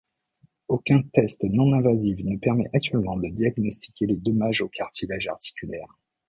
Aucun test non invasif ne permet actuellement de diagnostiquer les dommages au cartilage articulaire.